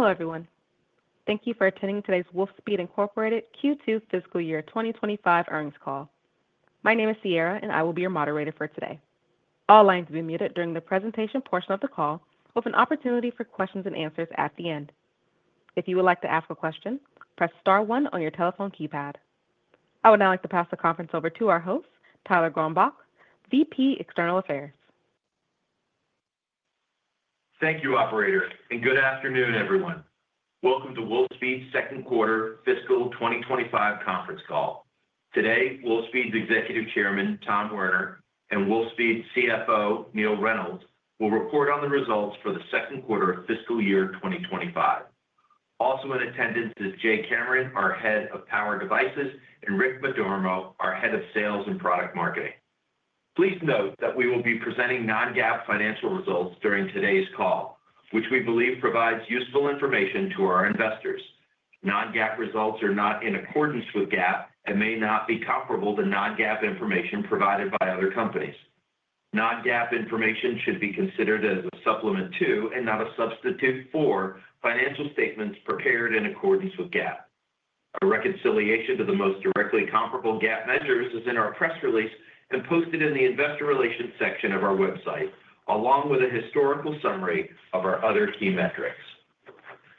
Hello, everyone. Thank you for attending today's Wolfspeed Incorporated Q2 fiscal year 2025 earnings call. My name is Sierra, and I will be your moderator for today. All lines will be muted during the presentation portion of the call, with an opportunity for questions and answers at the end. If you would like to ask a question, press star one on your telephone keypad. I would now like to pass the conference over to our host, Tyler Gronbach, VP External Affairs. Thank you, operator, and good afternoon, everyone. Welcome to Wolfspeed's second quarter fiscal 2025 conference call. Today, Wolfspeed's Executive Chairman, Tom Werner, and Wolfspeed's CFO, Neill Reynolds, will report on the results for the second quarter of fiscal year 2025. Also in attendance is Jay Cameron, our head of power devices, and Rick Madormo, our head of sales and product marketing. Please note that we will be presenting non-GAAP financial results during today's call, which we believe provides useful information to our investors. Non-GAAP results are not in accordance with GAAP and may not be comparable to non-GAAP information provided by other companies. Non-GAAP information should be considered as a supplement to and not a substitute for financial statements prepared in accordance with GAAP. A reconciliation to the most directly comparable GAAP measures is in our press release and posted in the investor relations section of our website, along with a historical summary of our other key metrics.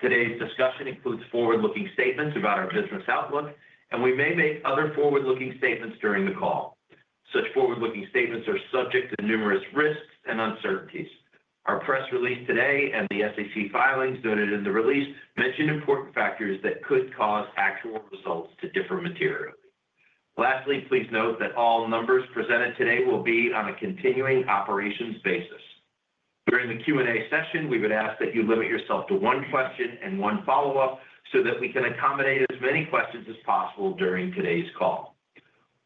Today's discussion includes forward-looking statements about our business outlook, and we may make other forward-looking statements during the call. Such forward-looking statements are subject to numerous risks and uncertainties. Our press release today and the SEC filings noted in the release mention important factors that could cause actual results to differ materially. Lastly, please note that all numbers presented today will be on a continuing operations basis. During the Q&A session, we would ask that you limit yourself to one question and one follow-up so that we can accommodate as many questions as possible during today's call.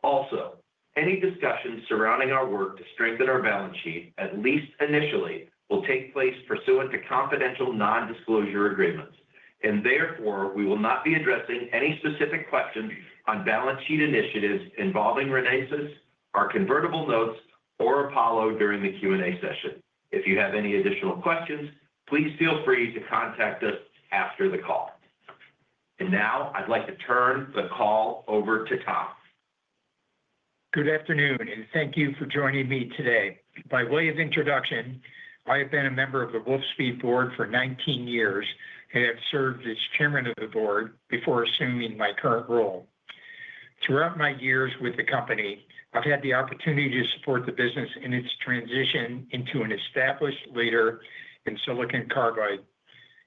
Also, any discussions surrounding our work to strengthen our balance sheet, at least initially, will take place pursuant to confidential non-disclosure agreements, and therefore we will not be addressing any specific questions on balance sheet initiatives involving Renesas, our convertible notes, or Apollo during the Q&A session. If you have any additional questions, please feel free to contact us after the call. And now I'd like to turn the call over to Tom. Good afternoon, and thank you for joining me today. By way of introduction, I have been a member of the Wolfspeed board for 19 years and have served as chairman of the board before assuming my current role. Throughout my years with the company, I've had the opportunity to support the business in its transition into an established leader in Silicon carbide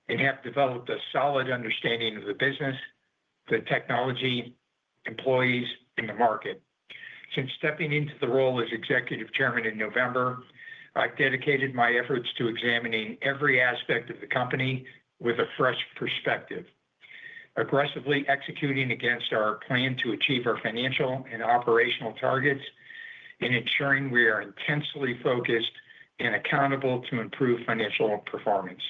and have developed a solid understanding of the business, the technology, employees, and the market. Since stepping into the role as Executive Chairman in November, I've dedicated my efforts to examining every aspect of the company with a fresh perspective, aggressively executing against our plan to achieve our financial and operational targets and ensuring we are intensely focused and accountable to improve financial performance.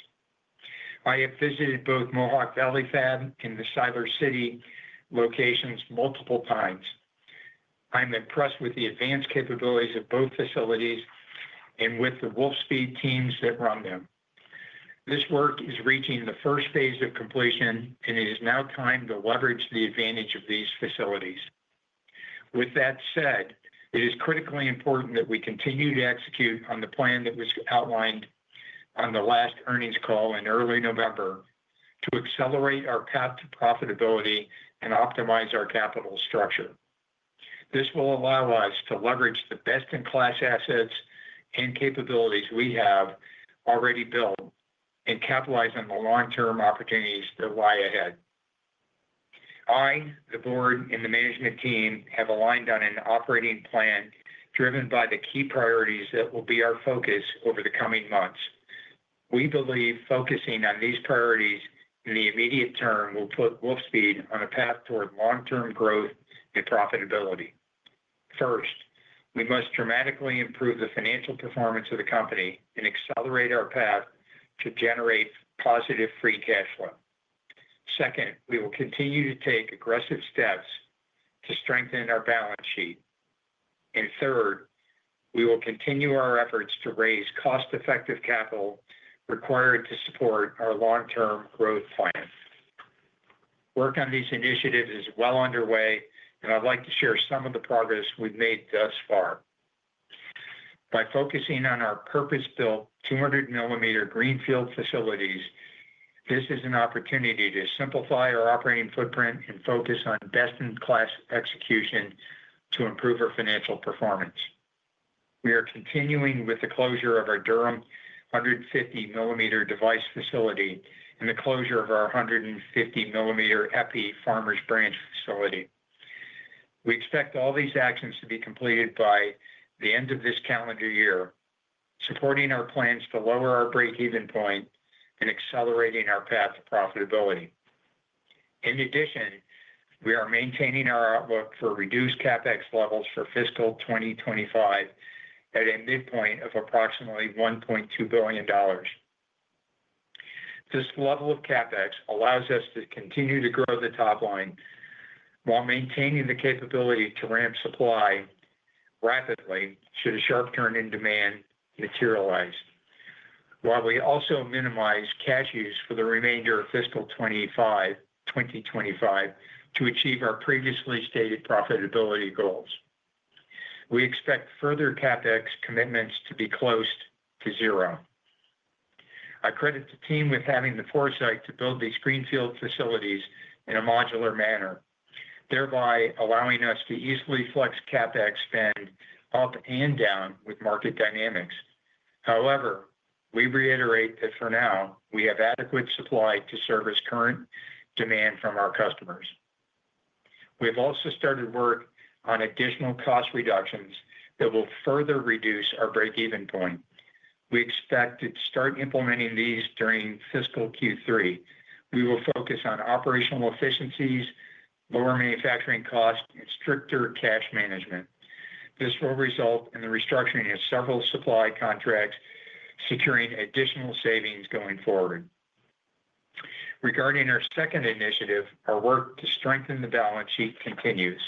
I have visited both Mohawk Valley Fab and the Siler City locations multiple times. I'm impressed with the advanced capabilities of both facilities and with the Wolfspeed teams that run them. This work is reaching the first phase of completion, and it is now time to leverage the advantage of these facilities. With that said, it is critically important that we continue to execute on the plan that was outlined on the last earnings call in early November to accelerate our path to profitability and optimize our capital structure. This will allow us to leverage the best-in-class assets and capabilities we have already built and capitalize on the long-term opportunities that lie ahead. I, the board, and the management team have aligned on an operating plan driven by the key priorities that will be our focus over the coming months. We believe focusing on these priorities in the immediate term will put Wolfspeed on a path toward long-term growth and profitability. First, we must dramatically improve the financial performance of the company and accelerate our path to generate positive free cash flow. Second, we will continue to take aggressive steps to strengthen our balance sheet. And third, we will continue our efforts to raise cost-effective capital required to support our long-term growth plan. Work on these initiatives is well underway, and I'd like to share some of the progress we've made thus far. By focusing on our purpose-built 200 mm greenfield facilities, this is an opportunity to simplify our operating footprint and focus on best-in-class execution to improve our financial performance. We are continuing with the closure of our Durham 150 mm device facility and the closure of our 150 mm epi Farmers Branch facility. We expect all these actions to be completed by the end of this calendar year, supporting our plans to lower our break-even point and accelerating our path to profitability. In addition, we are maintaining our outlook for reduced CapEx levels for fiscal 2025 at a midpoint of approximately $1.2 billion. This level of CapEx allows us to continue to grow the top line while maintaining the capability to ramp supply rapidly should a sharp turn in demand materialize, while we also minimize cash use for the remainder of fiscal 2025 to achieve our previously stated profitability goals. We expect further CapEx commitments to be close to zero. I credit the team with having the foresight to build these greenfield facilities in a modular manner, thereby allowing us to easily flex CapEx spend up and down with market dynamics. However, we reiterate that for now we have adequate supply to service current demand from our customers. We have also started work on additional cost reductions that will further reduce our break-even point. We expect to start implementing these during fiscal Q3. We will focus on operational efficiencies, lower manufacturing costs, and stricter cash management. This will result in the restructuring of several supply contracts, securing additional savings going forward. Regarding our second initiative, our work to strengthen the balance sheet continues.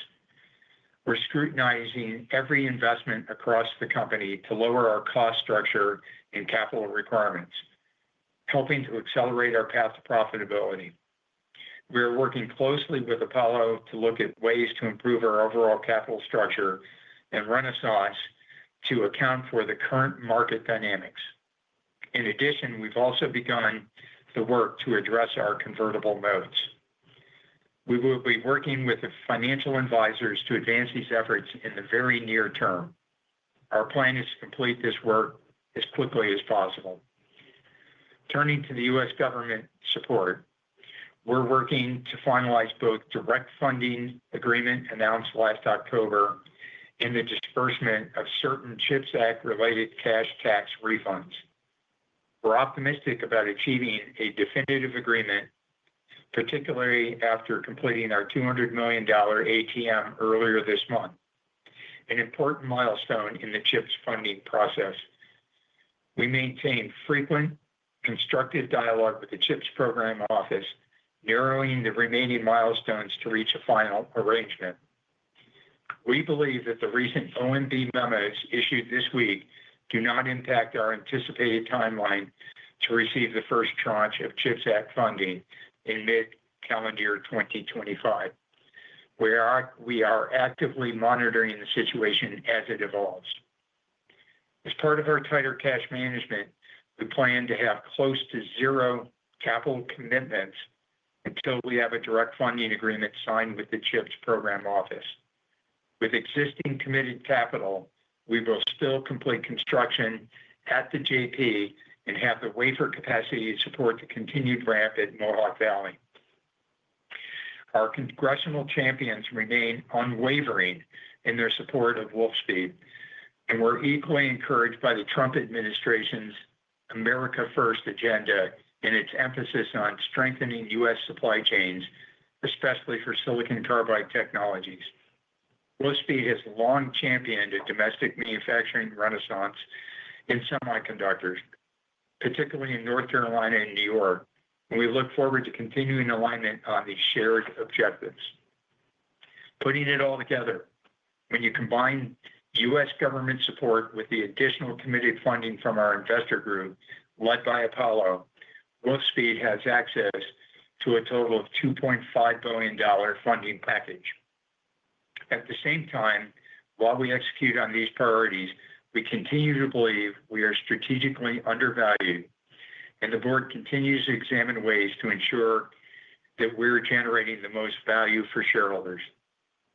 We're scrutinizing every investment across the company to lower our cost structure and capital requirements, helping to accelerate our path to profitability. We are working closely with Apollo to look at ways to improve our overall capital structure and Renesas to account for the current market dynamics. In addition, we've also begun the work to address our convertible notes. We will be working with the financial advisors to advance these efforts in the very near term. Our plan is to complete this work as quickly as possible. Turning to the U.S. Government support, we're working to finalize both direct funding agreement announced last October and the disbursement of certain CHIPS Act-related cash tax refunds. We're optimistic about achieving a definitive agreement, particularly after completing our $200 million ATM earlier this month, an important milestone in the CHIPS funding process. We maintain frequent constructive dialogue with the CHIPS Program Office, narrowing the remaining milestones to reach a final arrangement. We believe that the recent OMB memos issued this week do not impact our anticipated timeline to receive the first tranche of CHIPS Act funding in mid-calendar year 2025. We are actively monitoring the situation as it evolves. As part of our tighter cash management, we plan to have close to zero capital commitments until we have a direct funding agreement signed with the CHIPS Program Office. With existing committed capital, we will still complete construction at the JP and have the wafer capacity to support the continued ramp at Mohawk Valley. Our congressional champions remain unwavering in their support of Wolfspeed, and we're equally encouraged by the Trump administration's America First agenda and its emphasis on strengthening U.S. supply chains, especially for silicon carbide technologies. Wolfspeed has long championed a domestic manufacturing renaissance in semiconductors, particularly in North Carolina and New York, and we look forward to continuing alignment on these shared objectives. Putting it all together, when you combine U.S. government support with the additional committed funding from our investor group led by Apollo, Wolfspeed has access to a total of $2.5 billion funding package. At the same time, while we execute on these priorities, we continue to believe we are strategically undervalued, and the board continues to examine ways to ensure that we're generating the most value for shareholders.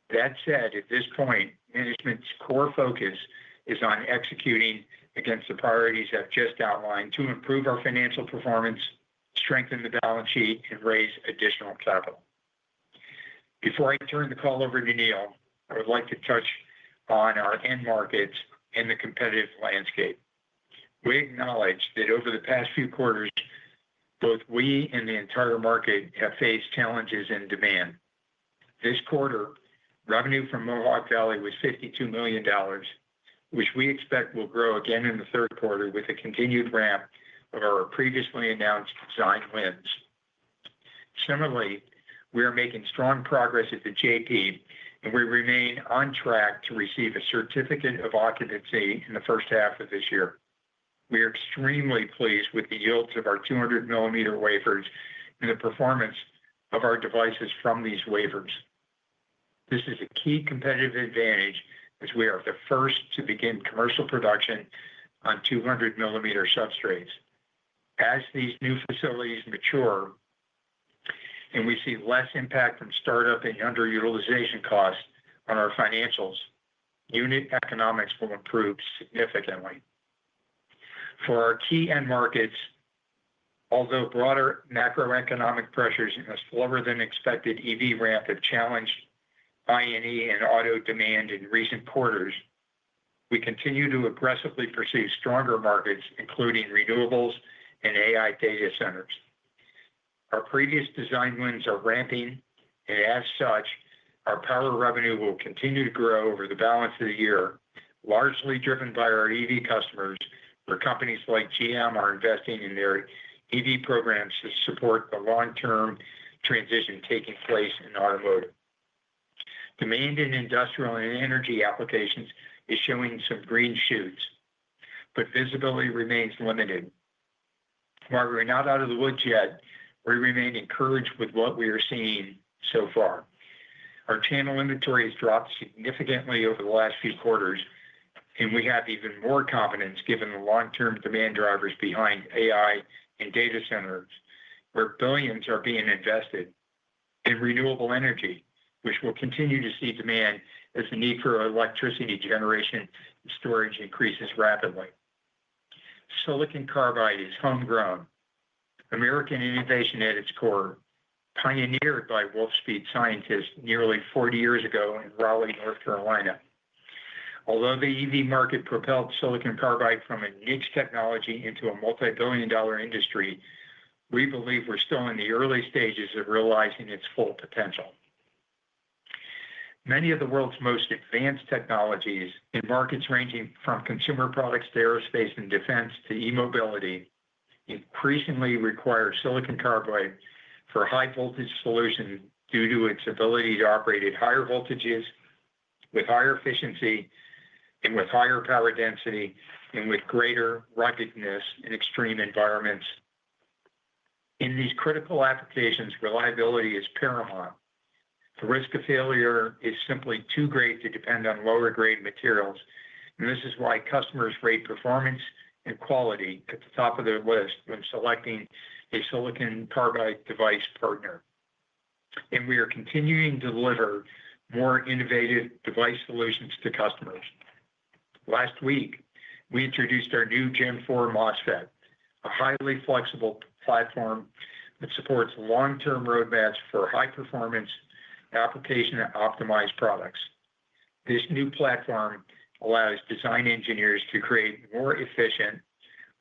That said, at this point, management's core focus is on executing against the priorities I've just outlined to improve our financial performance, strengthen the balance sheet, and raise additional capital. Before I turn the call over to Neill, I would like to touch on our end markets and the competitive landscape. We acknowledge that over the past few quarters, both we and the entire market have faced challenges in demand. This quarter, revenue from Mohawk Valley was $52 million, which we expect will grow again in the third quarter with a continued ramp of our previously announced design wins. Similarly, we are making strong progress at the JP, and we remain on track to receive a certificate of occupancy in the first half of this year. We are extremely pleased with the yields of our 200 mm wafers and the performance of our devices from these wafers. This is a key competitive advantage as we are the first to begin commercial production on 200 mm substrates. As these new facilities mature and we see less impact from startup and underutilization costs on our financials, unit economics will improve significantly. For our key end markets, although broader macroeconomic pressures in a slower-than-expected EV ramp have challenged I&E and auto demand in recent quarters, we continue to aggressively pursue stronger markets, including renewables and AI data centers. Our previous design wins are ramping, and as such, our power revenue will continue to grow over the balance of the year, largely driven by our EV customers, where companies like GM are investing in their EV programs to support the long-term transition taking place in automotive. Demand in industrial and energy applications is showing some green shoots, but visibility remains limited. While we're not out of the woods yet, we remain encouraged with what we are seeing so far. Our channel inventory has dropped significantly over the last few quarters, and we have even more confidence given the long-term demand drivers behind AI and data centers, where billions are being invested, and renewable energy, which will continue to see demand as the need for electricity generation and storage increases rapidly. Silicon carbide is homegrown, American innovation at its core, pioneered by Wolfspeed scientists nearly 40 years ago in Raleigh, North Carolina. Although the EV market propelled silicon carbide from a niche technology into a multi-billion dollar industry, we believe we're still in the early stages of realizing its full potential. Many of the world's most advanced technologies in markets ranging from consumer products to aerospace and defense to e-mobility increasingly require silicon carbide for high-voltage solutions due to its ability to operate at higher voltages, with higher efficiency, and with higher power density, and with greater ruggedness in extreme environments. In these critical applications, reliability is paramount. The risk of failure is simply too great to depend on lower-grade materials, and this is why customers rate performance and quality at the top of their list when selecting a silicon carbide device partner. We are continuing to deliver more innovative device solutions to customers. Last week, we introduced our new Gen 4 MOSFET, a highly flexible platform that supports long-term roadmaps for high-performance application-optimized products. This new platform allows design engineers to create more efficient,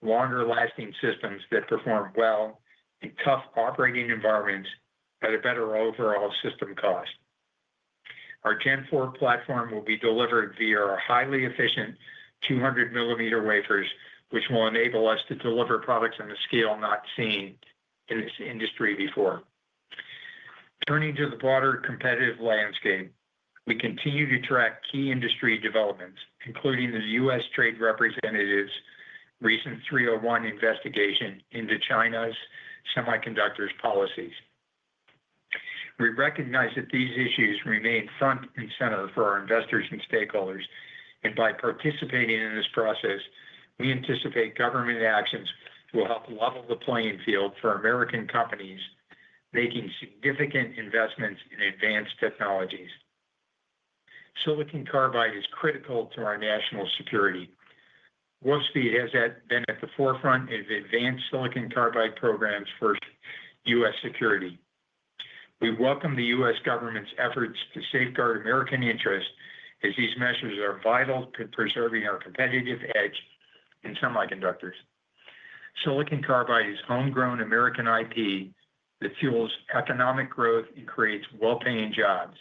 longer-lasting systems that perform well in tough operating environments at a better overall system cost. Our Gen 4 platform will be delivered via our highly efficient 200 mm wafers, which will enable us to deliver products on a scale not seen in this industry before. Turning to the broader competitive landscape, we continue to track key industry developments, including the U.S. Trade Representative's recent 301 investigation into China's semiconductor policies. We recognize that these issues remain front and center for our investors and stakeholders, and by participating in this process, we anticipate government actions will help level the playing field for American companies making significant investments in advanced technologies. silicon carbide is critical to our national security. Wolfspeed has been at the forefront of advanced silicon carbide programs for U.S. security. We welcome the U.S. government's efforts to safeguard American interests as these measures are vital to preserving our competitive edge in semiconductors. Silicon carbide is homegrown American IP that fuels economic growth and creates well-paying jobs.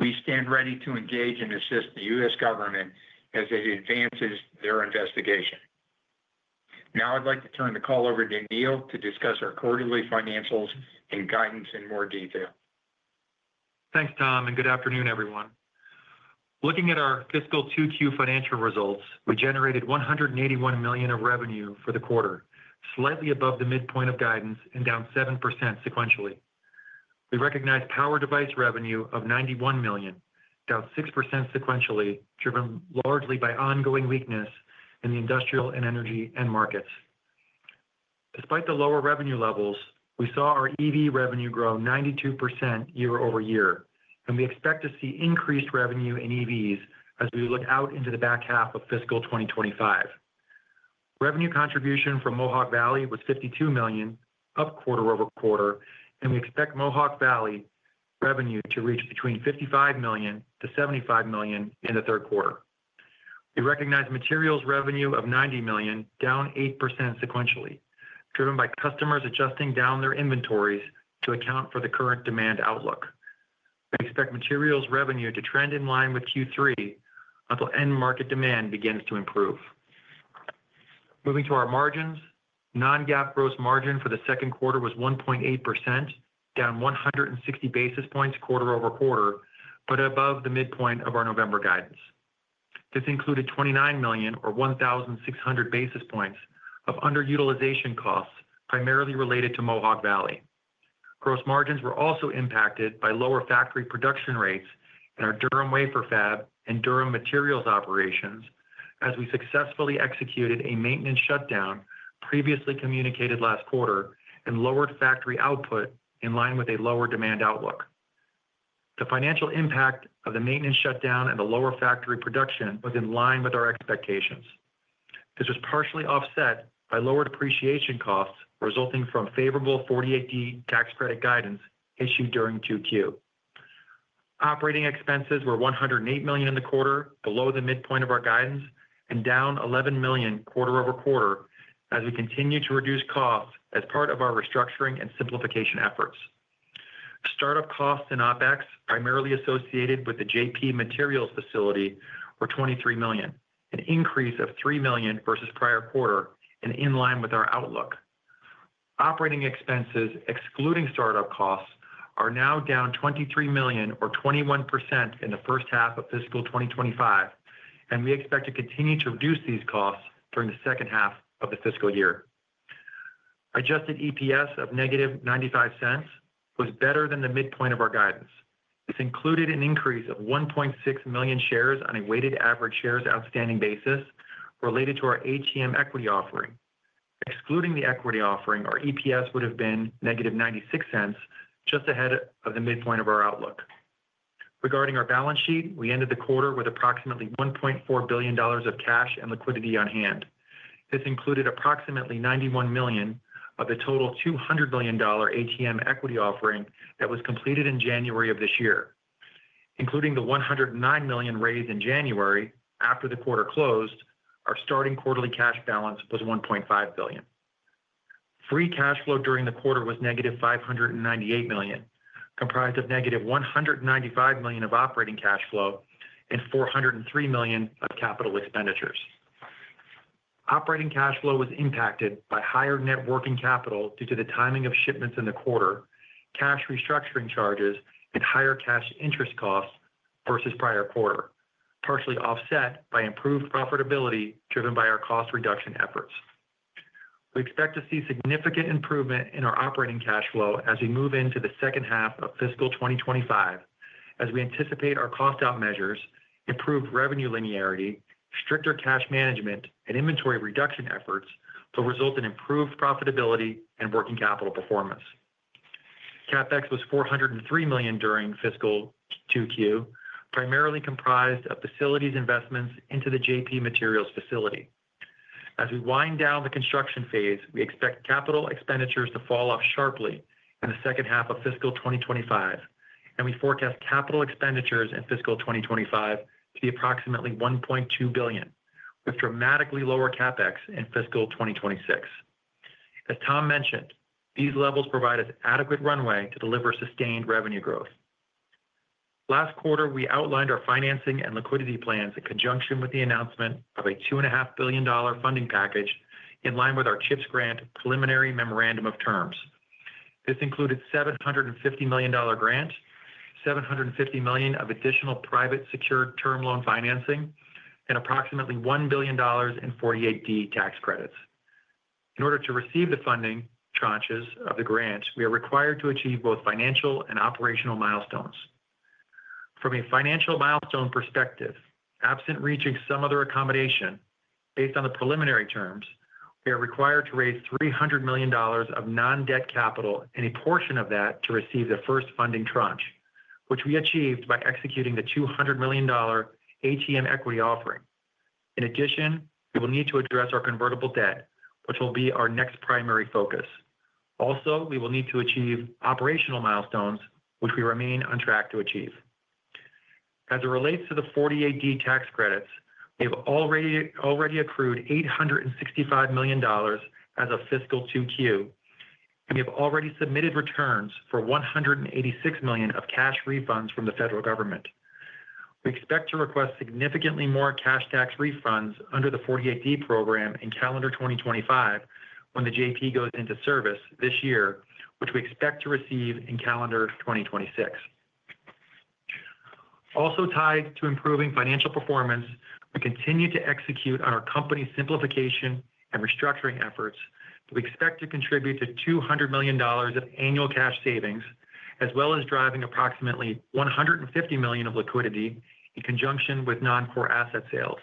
We stand ready to engage and assist the U.S. government as it advances their investigation. Now I'd like to turn the call over to Neill to discuss our quarterly financials and guidance in more detail. Thanks, Tom, and good afternoon, everyone. Looking at our fiscal Q2 financial results, we generated $181 million of revenue for the quarter, slightly above the midpoint of guidance and down 7% sequentially. We recognize power device revenue of $91 million, down 6% sequentially, driven largely by ongoing weakness in the industrial and energy end markets. Despite the lower revenue levels, we saw our EV revenue grow 92% year-over-year, and we expect to see increased revenue in EVs as we look out into the back half of fiscal 2025. Revenue contribution from Mohawk Valley was $52 million up quarter-over-quarter, and we expect Mohawk Valley revenue to reach between $55 million-$75 million in the third quarter. We recognize materials revenue of $90 million, down 8% sequentially, driven by customers adjusting down their inventories to account for the current demand outlook. We expect materials revenue to trend in line with Q3 until end market demand begins to improve. Moving to our margins, Non-GAAP gross margin for the second quarter was 1.8%, down 160 basis points quarter-over-quarter, but above the midpoint of our November guidance. This included $29 million, or 1,600 basis points, of underutilization costs primarily related to Mohawk Valley. Gross margins were also impacted by lower factory production rates in our Durham Wafer Fab and Durham Materials operations as we successfully executed a maintenance shutdown previously communicated last quarter and lowered factory output in line with a lower demand outlook. The financial impact of the maintenance shutdown and the lower factory production was in line with our expectations. This was partially offset by lower depreciation costs resulting from favorable 48D tax credit guidance issued during Q2. Operating expenses were $108 million in the quarter, below the midpoint of our guidance, and down $11 million quarter-over-quarter as we continue to reduce costs as part of our restructuring and simplification efforts. Startup costs and OpEx primarily associated with the JP Materials facility were $23 million, an increase of $3 million versus prior quarter and in line with our outlook. Operating expenses excluding startup costs are now down $23 million, or 21%, in the first half of fiscal 2025, and we expect to continue to reduce these costs during the second half of the fiscal year. Adjusted EPS of -$0.95 was better than the midpoint of our guidance. This included an increase of 1.6 million shares on a weighted average shares outstanding basis related to our ATM equity offering. Excluding the equity offering, our EPS would have been -$0.96 just ahead of the midpoint of our outlook. Regarding our balance sheet, we ended the quarter with approximately $1.4 billion of cash and liquidity on hand. This included approximately $91 million of the total $200 million ATM equity offering that was completed in January of this year. Including the $109 million raised in January after the quarter closed, our starting quarterly cash balance was $1.5 billion. Free cash flow during the quarter was -$598 million, comprised of -$195 million of operating cash flow and $403 million of capital expenditures. Operating cash flow was impacted by higher net working capital due to the timing of shipments in the quarter, cash restructuring charges, and higher cash interest costs versus prior quarter, partially offset by improved profitability driven by our cost reduction efforts. We expect to see significant improvement in our operating cash flow as we move into the second half of fiscal 2025, as we anticipate our cost-out measures, improved revenue linearity, stricter cash management, and inventory reduction efforts will result in improved profitability and working capital performance. CapEx was $403 million during fiscal 2Q, primarily comprised of facilities investments into the JP Materials facility. As we wind down the construction phase, we expect capital expenditures to fall off sharply in the second half of fiscal 2025, and we forecast capital expenditures in fiscal 2025 to be approximately $1.2 billion, with dramatically lower CapEx in fiscal 2026. As Tom mentioned, these levels provide us adequate runway to deliver sustained revenue growth. Last quarter, we outlined our financing and liquidity plans in conjunction with the announcement of a $2.5 billion funding package in line with our CHIPS grant preliminary memorandum of terms. This included a $750 million grant, $750 million of additional private secured term loan financing, and approximately $1 billion in 48D tax credits. In order to receive the funding tranches of the grant, we are required to achieve both financial and operational milestones. From a financial milestone perspective, absent reaching some other accommodation based on the preliminary terms, we are required to raise $300 million of non-debt capital and a portion of that to receive the first funding tranche, which we achieved by executing the $200 million ATM equity offering. In addition, we will need to address our convertible debt, which will be our next primary focus. Also, we will need to achieve operational milestones, which we remain on track to achieve. As it relates to the 48D tax credits, we have already accrued $865 million as of fiscal Q2, and we have already submitted returns for $186 million of cash refunds from the federal government. We expect to request significantly more cash tax refunds under the 48D program in calendar 2025 when the JP goes into service this year, which we expect to receive in calendar 2026. Also tied to improving financial performance, we continue to execute on our company's simplification and restructuring efforts. We expect to contribute to $200 million of annual cash savings, as well as driving approximately $150 million of liquidity in conjunction with non-core asset sales.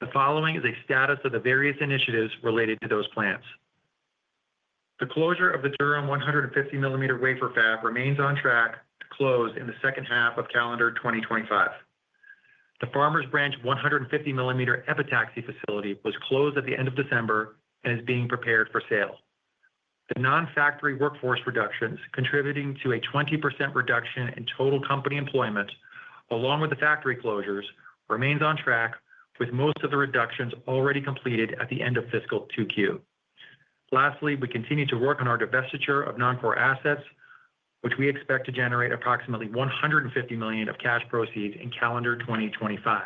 The following is a status of the various initiatives related to those plans. The closure of the Durham 150 mm wafer fab remains on track to close in the second half of calendar 2025. The Farmers Branch 150 mm epitaxy facility was closed at the end of December and is being prepared for sale. The non-factory workforce reductions, contributing to a 20% reduction in total company employment along with the factory closures, remain on track, with most of the reductions already completed at the end of fiscal 2Q. Lastly, we continue to work on our divestiture of non-core assets, which we expect to generate approximately $150 million of cash proceeds in calendar 2025.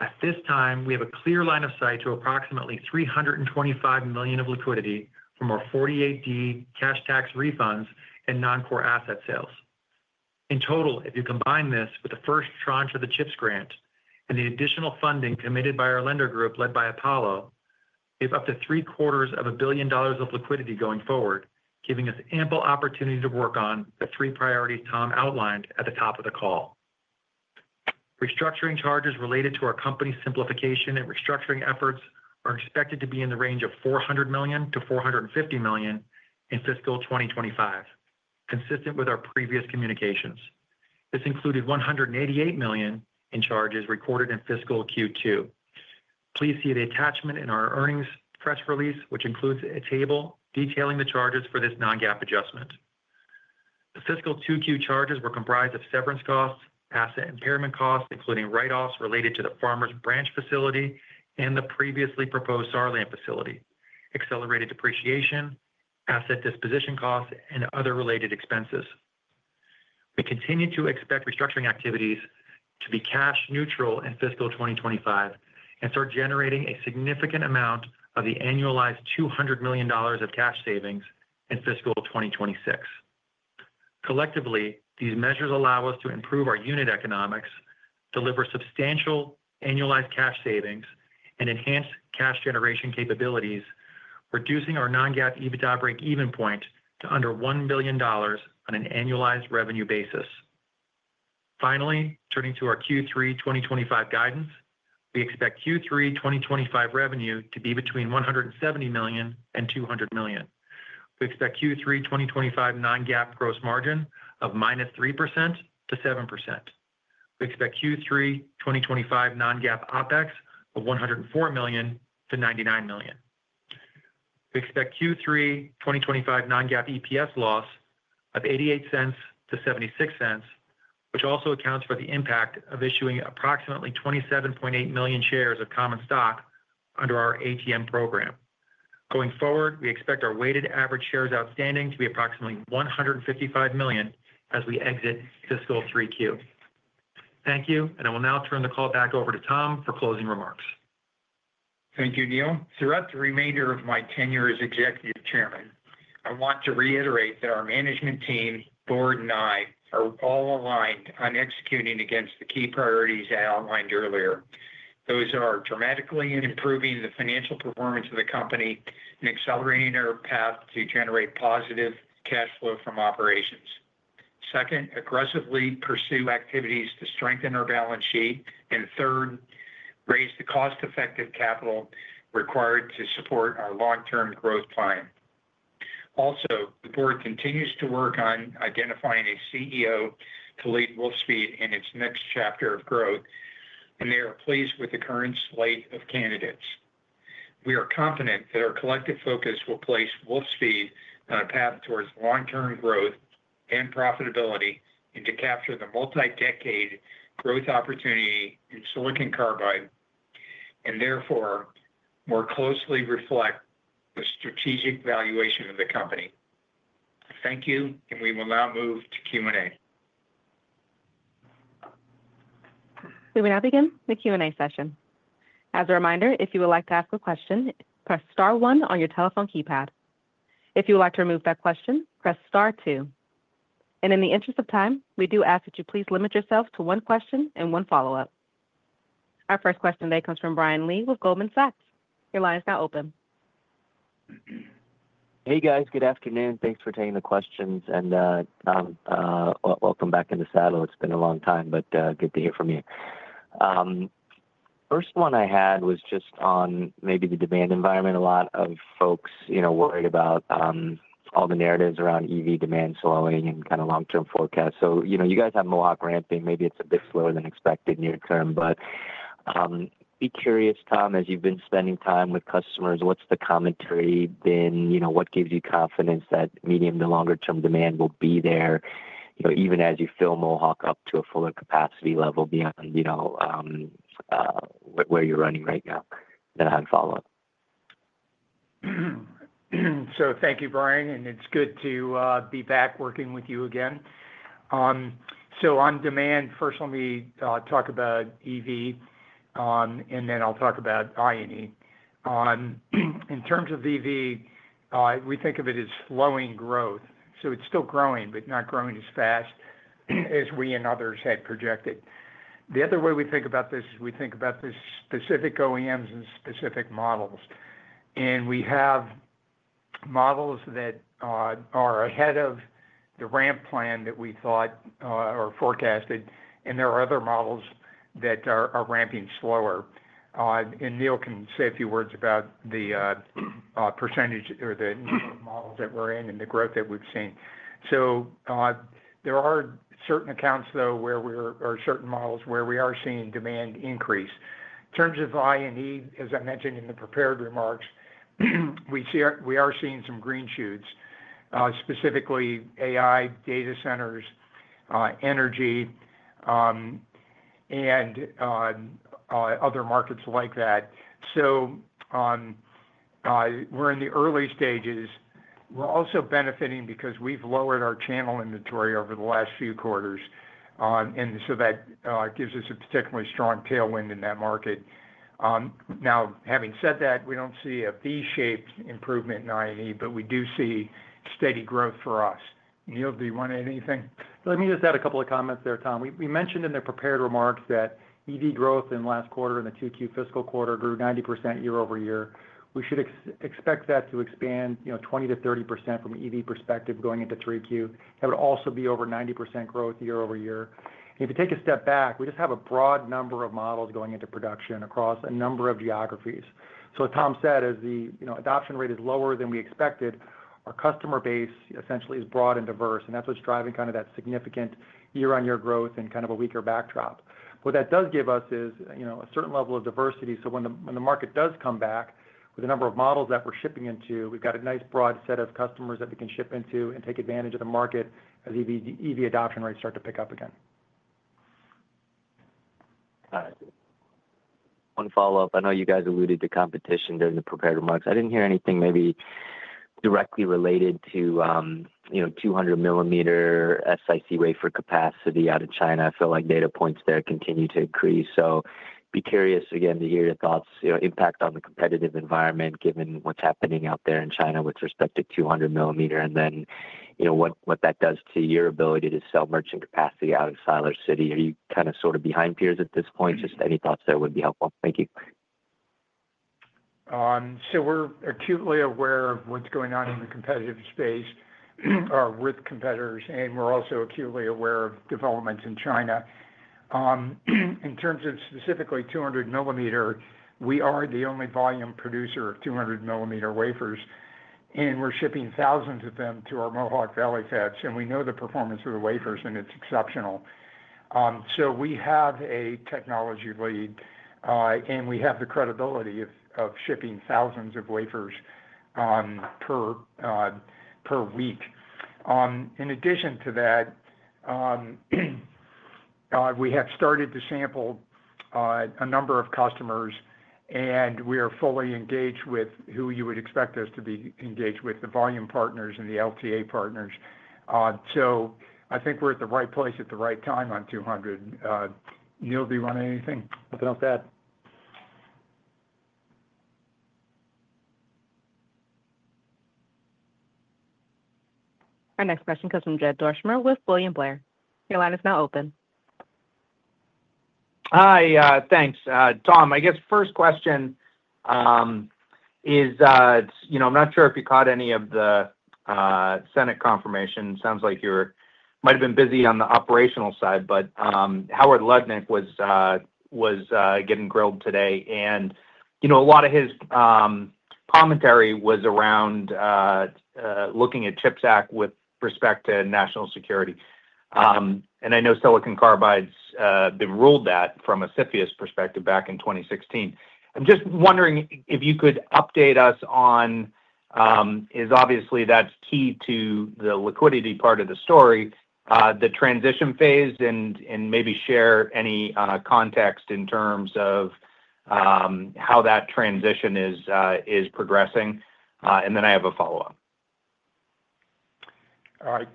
At this time, we have a clear line of sight to approximately $325 million of liquidity from our 48D cash tax refunds and non-core asset sales. In total, if you combine this with the first tranche of the CHIPS grant and the additional funding committed by our lender group led by Apollo, we have up to three quarters of a billion of liquidity going forward, giving us ample opportunity to work on the three priorities Tom outlined at the top of the call. Restructuring charges related to our company's simplification and restructuring efforts are expected to be in the range of $400 million-$450 million in fiscal 2025, consistent with our previous communications. This included $188 million in charges recorded in fiscal Q2. Please see the attachment in our earnings press release, which includes a table detailing the charges for this non-GAAP adjustment. The fiscal 2Q charges were comprised of severance costs, asset impairment costs, including write-offs related to the Farmers Branch facility and the previously proposed Siler City facility, accelerated depreciation, asset disposition costs, and other related expenses. We continue to expect restructuring activities to be cash neutral in fiscal 2025 and start generating a significant amount of the annualized $200 million of cash savings in fiscal 2026. Collectively, these measures allow us to improve our unit economics, deliver substantial annualized cash savings, and enhance cash generation capabilities, reducing our non-GAAP EBITDA break-even point to under $1 billion on an annualized revenue basis. Finally, turning to our Q3 2025 guidance, we expect Q3 2025 revenue to be between $170 million and $200 million. We expect Q3 2025 non-GAAP gross margin of -3%-7%. We expect Q3 2025 non-GAAP OpEx of $104 million-$99 million. We expect Q3 2025 non-GAAP EPS loss of $0.88-$0.76, which also accounts for the impact of issuing approximately 27.8 million shares of common stock under our ATM program. Going forward, we expect our weighted average shares outstanding to be approximately 155 million as we exit fiscal Q2. Thank you, and I will now turn the call back over to Tom for closing remarks. Thank you, Neill. Throughout the remainder of my tenure as Executive Chairman, I want to reiterate that our management team, board, and I are all aligned on executing against the key priorities I outlined earlier. Those are dramatically improving the financial performance of the company and accelerating our path to generate positive cash flow from operations. Second, aggressively pursue activities to strengthen our balance sheet. And third, raise the cost-effective capital required to support our long-term growth plan. Also, the board continues to work on identifying a CEO to lead Wolfspeed in its next chapter of growth, and they are pleased with the current slate of candidates. We are confident that our collective focus will place Wolfspeed on a path towards long-term growth and profitability and to capture the multi-decade growth opportunity in silicon carbide and therefore more closely reflect the strategic valuation of the company. Thank you, and we will now move to Q&A. We will now begin the Q&A session. As a reminder, if you would like to ask a question, press star one on your telephone keypad. If you would like to remove that question, press star two, and in the interest of time, we do ask that you please limit yourself to one question and one follow-up. Our first question today comes from Brian Lee with Goldman Sachs. Your line is now open. Hey, guys. Good afternoon. Thanks for taking the questions. And welcome back into the saddle. It's been a long time, but good to hear from you. First one I had was just on maybe the demand environment. A lot of folks are worried about all the narratives around EV demand slowing and kind of long-term forecasts. So you guys have Mohawk ramping. Maybe it's a bit slower than expected near term. But I'd be curious, Tom, as you've been spending time with customers, what's the commentary been? What gives you confidence that medium- to longer-term demand will be there even as you fill Mohawk up to a fuller capacity level beyond where you're running right now? Then I have a follow-up. So thank you, Brian. And it's good to be back working with you again. So on demand, first, let me talk about EV, and then I'll talk about I&E. In terms of EV, we think of it as slowing growth. So it's still growing, but not growing as fast as we and others had projected. The other way we think about this is we think about this specific OEMs and specific models. And we have models that are ahead of the ramp plan that we thought or forecasted, and there are other models that are ramping slower. And Neill can say a few words about the percentage or the models that we're in and the growth that we've seen. So there are certain accounts, though, where we're or certain models where we are seeing demand increase. In terms of I&E, as I mentioned in the prepared remarks, we are seeing some green shoots, specifically AI data centers, energy, and other markets like that. So we're in the early stages. We're also benefiting because we've lowered our channel inventory over the last few quarters, and so that gives us a particularly strong tailwind in that market. Now, having said that, we don't see a V-shaped improvement in I&E, but we do see steady growth for us. Neill, do you want to add anything? Let me just add a couple of comments there, Tom. We mentioned in the prepared remarks that EV growth in the last quarter and the Q2 fiscal quarter grew 90% year-over-year. We should expect that to expand 20%-30% from an EV perspective going into 3Q. That would also be over 90% growth year-over-year. If you take a step back, we just have a broad number of models going into production across a number of geographies. So as Tom said, as the adoption rate is lower than we expected, our customer base essentially is broad and diverse. And that's what's driving kind of that significant year-on-year growth and kind of a weaker backdrop. What that does give us is a certain level of diversity. So when the market does come back with a number of models that we're shipping into, we've got a nice broad set of customers that we can ship into and take advantage of the market as EV adoption rates start to pick up again. Got it. One follow-up. I know you guys alluded to competition during the prepared remarks. I didn't hear anything maybe directly related to 200 mm SiC wafer capacity out of China. I feel like data points there continue to increase. So be curious again to hear your thoughts, impact on the competitive environment given what's happening out there in China with respect to 200 mm and then what that does to your ability to sell merchant capacity out of Siler City. Are you kind of sort of behind peers at this point? Just any thoughts there would be helpful. Thank you. So we're acutely aware of what's going on in the competitive space with competitors, and we're also acutely aware of developments in China. In terms of specifically 200 mm, we are the only volume producer of 200 mm wafers, and we're shipping thousands of them to our Mohawk Valley fabs. And we know the performance of the wafers, and it's exceptional. So we have a technology lead, and we have the credibility of shipping thousands of wafers per week. In addition to that, we have started to sample a number of customers, and we are fully engaged with who you would expect us to be engaged with, the volume partners and the LTA partners. So I think we're at the right place at the right time on 200 mm. Neil, do you want to add anything? Nothing else to add. Our next question comes from Jed Dorsheimer with William Blair. Your line is now open. Hi. Thanks. Tom, I guess first question is I'm not sure if you caught any of the Senate confirmation. Sounds like you might have been busy on the operational side, but Howard Lutnick was getting grilled today. And a lot of his commentary was around looking at CHIPS Act with respect to national security. And I know silicon carbide's been ruled that from a CFIUS perspective back in 2016. I'm just wondering if you could update us on, as obviously that's key to the liquidity part of the story, the transition phase, and maybe share any context in terms of how that transition is progressing. And then I have a follow-up. All right.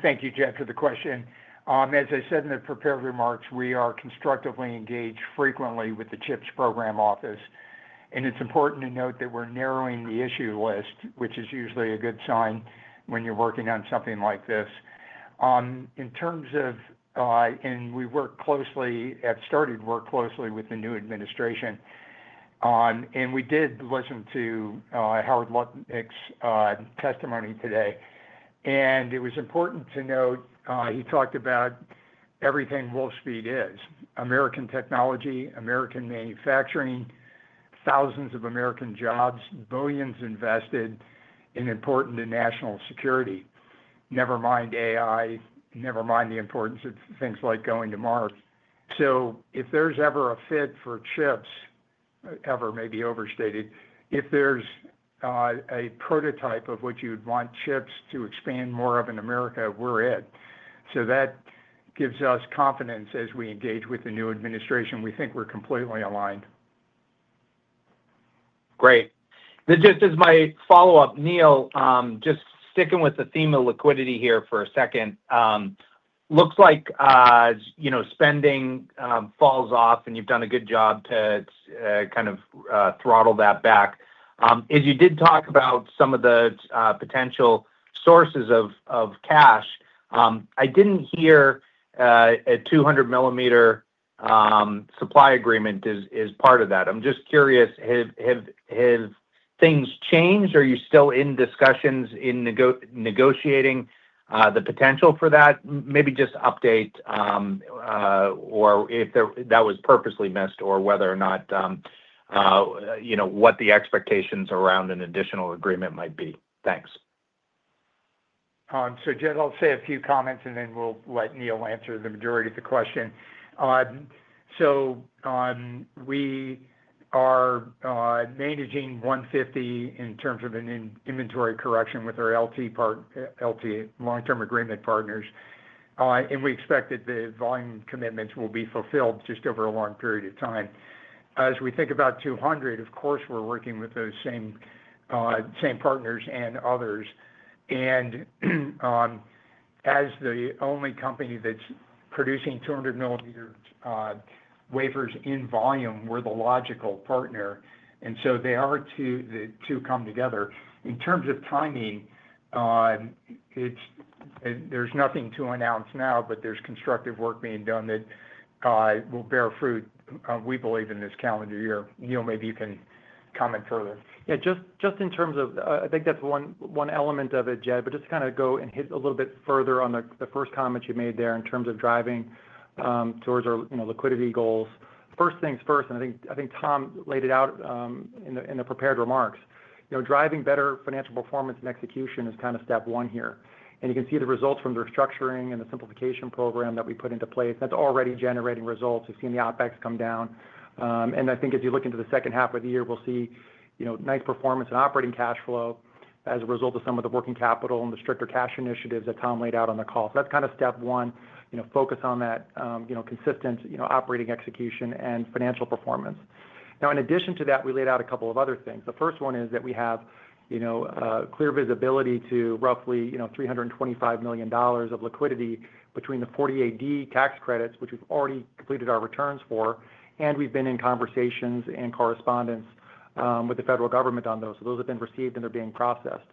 Thank you, Jed, for the question. As I said in the prepared remarks, we are constructively engaged frequently with the CHIPS Program Office. And it's important to note that we're narrowing the issue list, which is usually a good sign when you're working on something like this. In terms of and we have started to work closely with the new administration. And we did listen to Howard Lutnick's testimony today. And it was important to note he talked about everything Wolfspeed is: American technology, American manufacturing, thousands of American jobs, billions invested, and important to national security. Never mind AI, never mind the importance of things like going to Mars. So if there's ever a fit for CHIPS ever maybe overstated, if there's a prototype of what you'd want CHIPS to expand more of in America, we're it. So that gives us confidence as we engage with the new administration. We think we're completely aligned. Great. Just as my follow-up, Neill, just sticking with the theme of liquidity here for a second, looks like spending falls off, and you've done a good job to kind of throttle that back. As you did talk about some of the potential sources of cash, I didn't hear a 200 mm supply agreement is part of that. I'm just curious, have things changed? Are you still in discussions in negotiating the potential for that? Maybe just update or if that was purposely missed or whether or not what the expectations around an additional agreement might be. Thanks. Jed, I'll say a few comments, and then we'll let Neill answer the majority of the question. We are managing 150 mm in terms of an inventory correction with our LTA long-term agreement partners. And we expect that the volume commitments will be fulfilled just over a long period of time. As we think about 200 mm, of course, we're working with those same partners and others. And as the only company that's producing 200 mm wafers in volume, we're the logical partner. And so they are the two come together. In terms of timing, there's nothing to announce now, but there's constructive work being done that will bear fruit, we believe, in this calendar year. Neill, maybe you can comment further. Yeah. Just in terms of, I think that's one element of it, Jed, but just to kind of go and hit a little bit further on the first comment you made there in terms of driving towards our liquidity goals. First things first, and I think Tom laid it out in the prepared remarks. Driving better financial performance and execution is kind of step one here, and you can see the results from the restructuring and the simplification program that we put into place. That's already generating results. We've seen the OpEx come down, and I think as you look into the second half of the year, we'll see nice performance and operating cash flow as a result of some of the working capital and the stricter cash initiatives that Tom laid out on the call, so that's kind of step one, focus on that consistent operating execution and financial performance. Now, in addition to that, we laid out a couple of other things. The first one is that we have clear visibility to roughly $325 million of liquidity between the 48D tax credits, which we've already completed our returns for, and we've been in conversations and correspondence with the federal government on those, so those have been received, and they're being processed.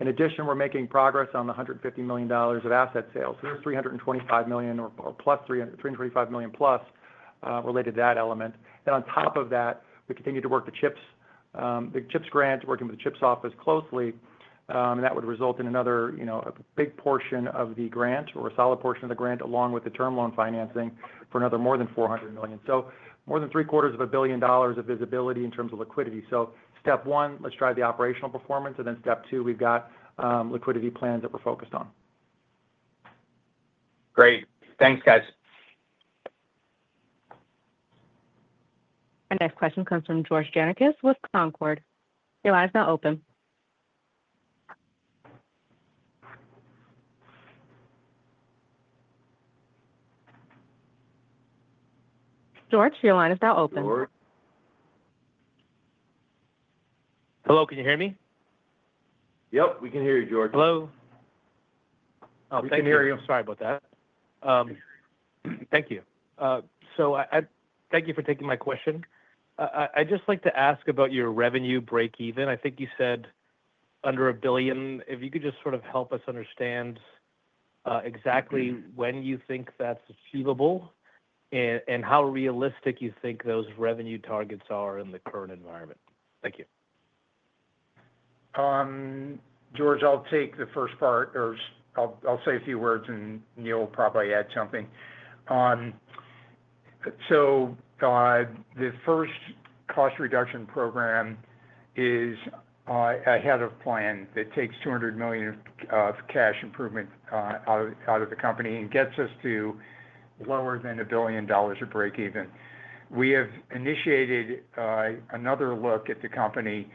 In addition, we're making progress on the $150 million of asset sales, so there's $325 million or $325+ million related to that element, and on top of that, we continue to work the CHIPS grant, working with the CHIPS office closely, and that would result in another big portion of the grant or a solid portion of the grant along with the term loan financing for another more than $400 million, so more than $750 million of visibility in terms of liquidity. So step one, let's drive the operational performance. And then step two, we've got liquidity plans that we're focused on. Great. Thanks, guys. Our next question comes from George Gianarikas with Canaccord Genuity. Your line is now open. George, your line is now open. Hello. Can you hear me? Yep. We can hear you, George. Hello. We can hear you. I'm sorry about that. Thank you. So thank you for taking my question. I'd just like to ask about your revenue break-even. I think you said under a billion. If you could just sort of help us understand exactly when you think that's achievable and how realistic you think those revenue targets are in the current environment. Thank you. George, I'll take the first part. I'll say a few words, and Neil will probably add something. The first cost reduction program is ahead of plan that takes $200 million of cash improvement out of the company and gets us to lower than $1 billion of break-even. We have initiated another look at the company.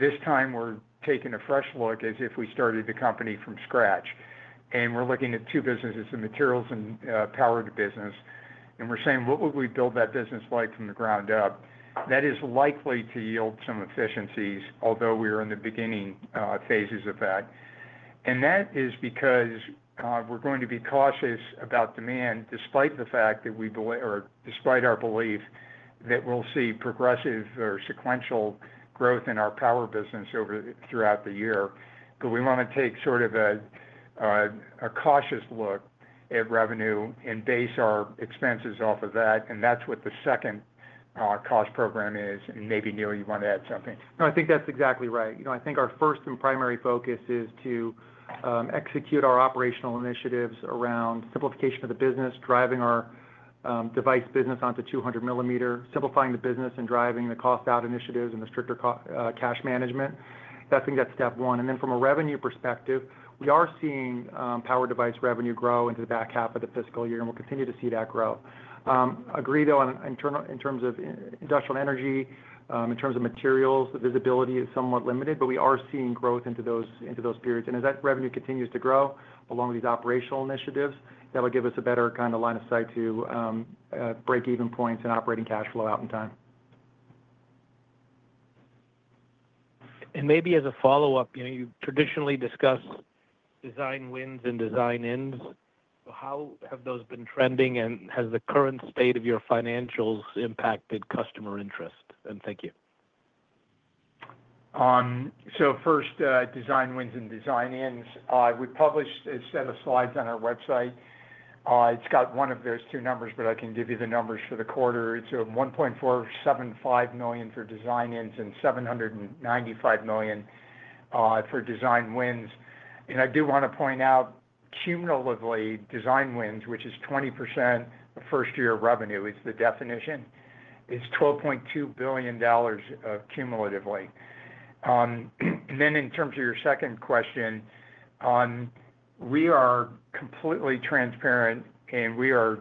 This time, we're taking a fresh look as if we started the company from scratch. We're looking at two businesses, the materials and power business. And we're saying, "What would we build that business like from the ground up?" That is likely to yield some efficiencies, although we are in the beginning phases of that. That is because we're going to be cautious about demand despite the fact that we or despite our belief that we'll see progressive or sequential growth in our power business throughout the year. We want to take sort of a cautious look at revenue and base our expenses off of that. And that's what the second cost program is. And maybe, Neill, you want to add something. No, I think that's exactly right. I think our first and primary focus is to execute our operational initiatives around simplification of the business, driving our device business onto 200 mm, simplifying the business and driving the cost-out initiatives and the stricter cash management. That's going to be step one. And then from a revenue perspective, we are seeing power device revenue grow into the back half of the fiscal year, and we'll continue to see that grow. Agree, though, in terms of industrial energy, in terms of materials, the visibility is somewhat limited, but we are seeing growth into those periods. And as that revenue continues to grow along with these operational initiatives, that will give us a better kind of line of sight to break-even points and operating cash flow out in time. And maybe as a follow-up, you traditionally discuss design wins and design-ins. How have those been trending, and has the current state of your financials impacted customer interest? And thank you. So first, design wins and design-ins. We published a set of slides on our website. It's got one of those two numbers, but I can give you the numbers for the quarter. It's $1.475 million for design-ins and $795 million for design wins. And I do want to point out cumulatively, design wins, which is 20% of first-year revenue, is the definition, is $12.2 billion cumulatively. And then in terms of your second question, we are completely transparent, and we are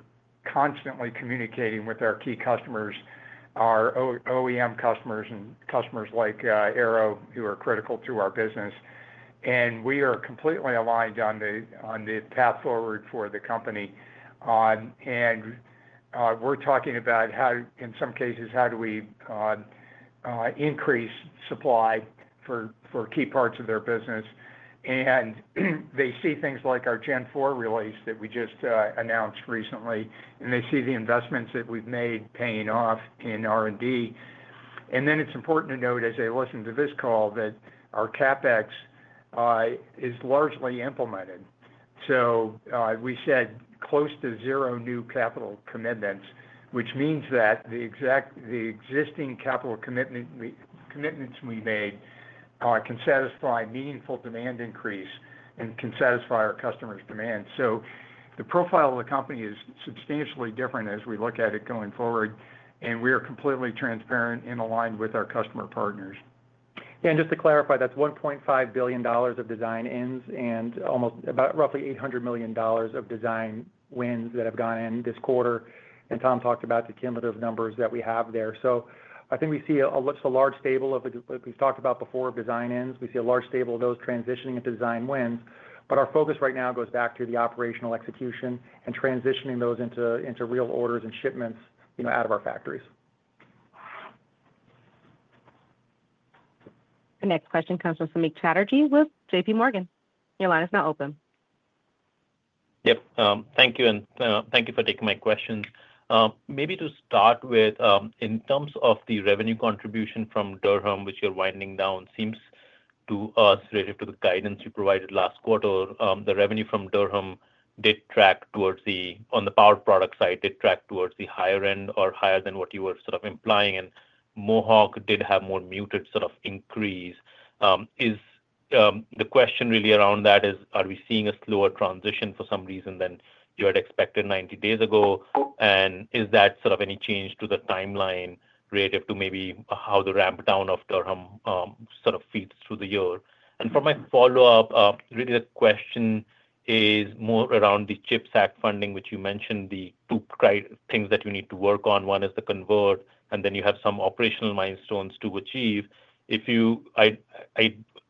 constantly communicating with our key customers, our OEM customers and customers like Arrow, who are critical to our business. And we are completely aligned on the path forward for the company. We're talking about, in some cases, how do we increase supply for key parts of their business. They see things like our Gen 4 release that we just announced recently, and they see the investments that we've made paying off in R&D. It's important to note, as they listen to this call, that our CapEx is largely implemented. We said close to zero new capital commitments, which means that the existing capital commitments we made can satisfy meaningful demand increase and can satisfy our customers' demand. The profile of the company is substantially different as we look at it going forward. We are completely transparent and aligned with our customer partners. Yeah. Just to clarify, that's $1.5 billion of design wins and about roughly $800 million of design wins that have gone in this quarter. Tom talked about the cumulative numbers that we have there. I think we see a large stable of what we've talked about before of design-ins. We see a large stable of those transitioning into design wins. Our focus right now goes back to the operational execution and transitioning those into real orders and shipments out of our factories. The next question comes from Samik Chatterjee with JPMorgan. Your line is now open. Yep. Thank you. Thank you for taking my questions. Maybe to start with, in terms of the revenue contribution from Durham, which you're winding down, seems to us relative to the guidance you provided last quarter, the revenue from Durham did track towards the, on the power product side, did track towards the higher end or higher than what you were sort of implying. Mohawk did have more muted sort of increase. Is the question really around that is, are we seeing a slower transition for some reason than you had expected 90 days ago? And is that sort of any change to the timeline relative to maybe how the ramp-down of Durham sort of feeds through the year? And for my follow-up, really the question is more around the CHIPS Act funding, which you mentioned the two things that you need to work on. One is the convert, and then you have some operational milestones to achieve.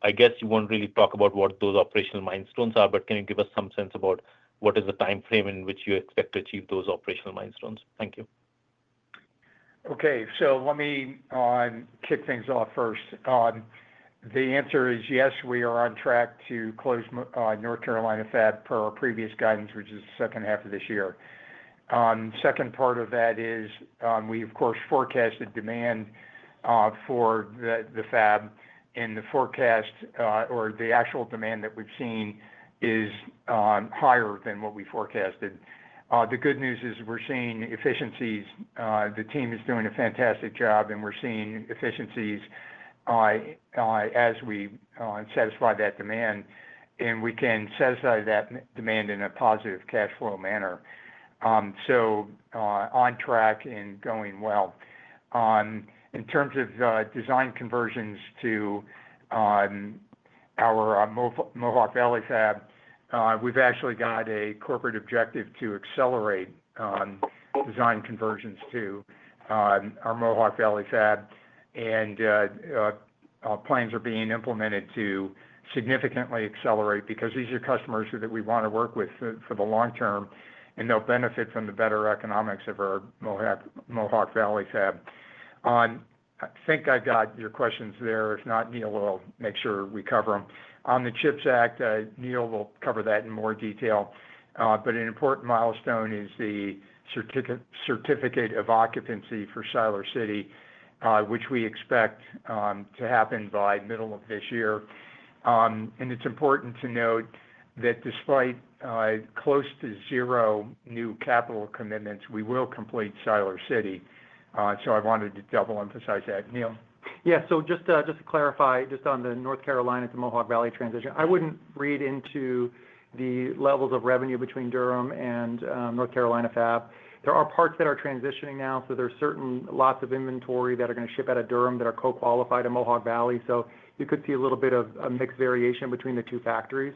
I guess you won't really talk about what those operational milestones are, but can you give us some sense about what is the timeframe in which you expect to achieve those operational milestones? Thank you. Okay. So let me kick things off first. The answer is yes, we are on track to close North Carolina fab per our previous guidance, which is the second half of this year. Second part of that is, we, of course, forecasted demand for the fab, and the forecast or the actual demand that we've seen is higher than what we forecasted. The good news is we're seeing efficiencies. The team is doing a fantastic job, and we're seeing efficiencies as we satisfy that demand, and we can satisfy that demand in a positive cash flow manner, so on track and going well. In terms of design conversions to our Mohawk Valley Fab, we've actually got a corporate objective to accelerate design conversions to our Mohawk Valley Fab. Plans are being implemented to significantly accelerate because these are customers that we want to work with for the long term, and they'll benefit from the better economics of our Mohawk Valley Fab. I think I've got your questions there. If not, Neil will make sure we cover them. On the CHIPS Act, Neil will cover that in more detail. An important milestone is the certificate of occupancy for Siler City, which we expect to happen by middle of this year. It's important to note that despite close to zero new capital commitments, we will complete Siler City. I wanted to double emphasize that. Neil? Yeah. Just to clarify, just on the North Carolina to Mohawk Valley transition, I wouldn't read into the levels of revenue between Durham and North Carolina Fab. There are parts that are transitioning now. There are certain lots of inventory that are going to ship out of Durham that are co-qualified to Mohawk Valley. You could see a little bit of a mixed variation between the two factories.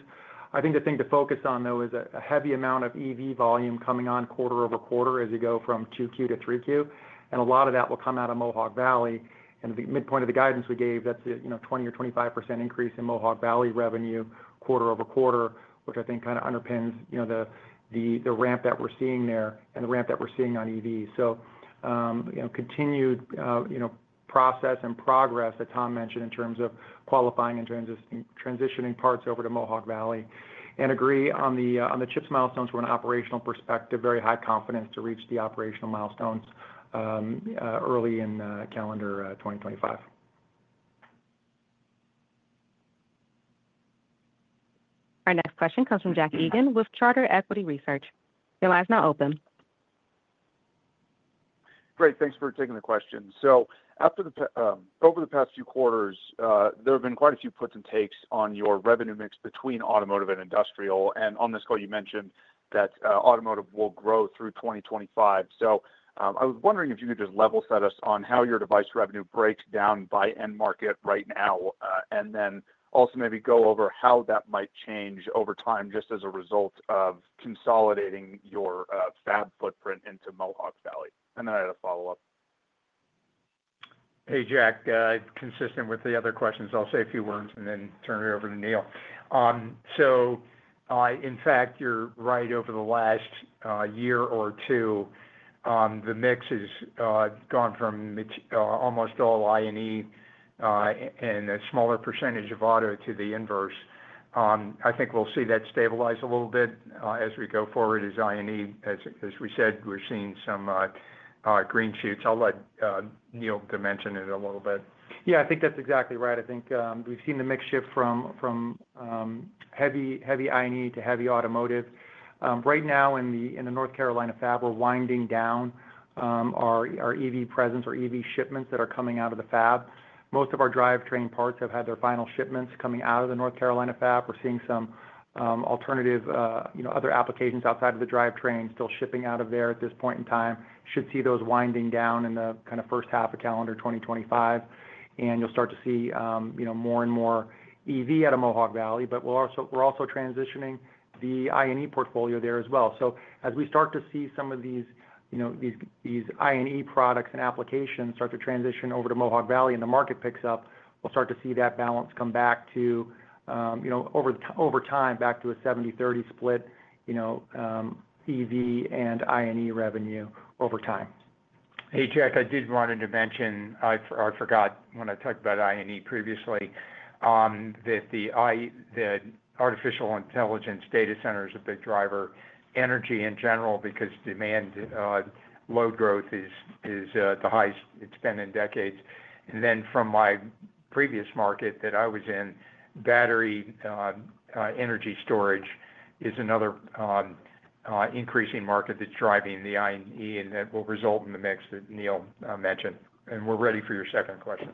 The thing to focus on, though, is a heavy amount of EV volume coming on quarter-over-quarter as you go from 2Q to 3Q. A lot of that will come out of Mohawk Valley. The midpoint of the guidance we gave, that's a 20% or 25% increase in Mohawk Valley revenue quarter-over-quarter, which I think kind of underpins the ramp that we're seeing there and the ramp that we're seeing on EVs. There is continued process and progress that Tom mentioned in terms of qualifying and transitioning parts over to Mohawk Valley. We agree on the CHIPS milestones from an operational perspective, very high confidence to reach the operational milestones early in calendar 2025. Our next question comes from Jack Egan with Charter Equity Research. Your line is now open. Great. Thanks for taking the question. So over the past few quarters, there have been quite a few puts and takes on your revenue mix between automotive and industrial. And on this call, you mentioned that automotive will grow through 2025. So I was wondering if you could just level set us on how your device revenue breaks down by end market right now, and then also maybe go over how that might change over time just as a result of consolidating your fab footprint into Mohawk Valley. And then I had a follow-up. Hey, Jack. Consistent with the other questions, I'll say a few words and then turn it over to Neill. So in fact, you're right. Over the last year or two, the mix has gone from almost all I&E and a smaller percentage of auto to the inverse. I think we'll see that stabilize a little bit as we go forward as I&E. As we said, we're seeing some green shoots. I'll let Neill mention it a little bit. Yeah. I think that's exactly right. I think we've seen the mix shift from heavy I&E to heavy automotive. Right now, in the North Carolina fab, we're winding down our EV presence, or EV shipments that are coming out of the fab. Most of our drivetrain parts have had their final shipments coming out of the North Carolina fab. We're seeing some alternative other applications outside of the drivetrain still shipping out of there at this point in time. Should see those winding down in the kind of first half of calendar 2025. And you'll start to see more and more EV out of Mohawk Valley. But we're also transitioning the I&E portfolio there as well. So as we start to see some of these I&E products and applications start to transition over to Mohawk Valley and the market picks up, we'll start to see that balance come back to, over time, back to a 70/30 split EV and I&E revenue over time. Hey, Jack, I did want to mention I forgot when I talked about I&E previously that the artificial intelligence data center is a big driver, energy in general, because demand load growth is the highest it's been in decades. And then from my previous market that I was in, battery energy storage is another increasing market that's driving the I&E, and that will result in the mix that Neill mentioned. And we're ready for your second question.